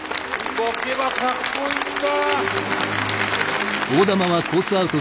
動けばかっこいいんだ。